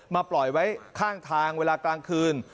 ปล่อยไว้ข้างทางเวลากลางคืน